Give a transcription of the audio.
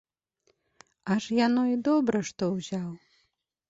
Аж яно і добра, што ўзяў.